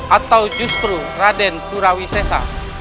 atau justru raden surawi sesa